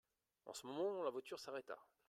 En ce moment, la voiture s'arrêta.